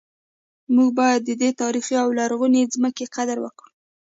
موږ باید د دې تاریخي او لرغونې ځمکې قدر وکړو